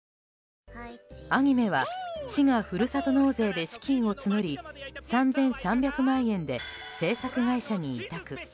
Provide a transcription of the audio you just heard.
アニメは市がふるさと納税で資金を募り３３００万円で制作会社に委託。